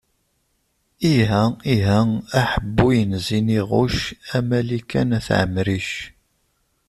Iha, iha aḥebbuy n ziniɣuc, a Malika n at Ɛemric.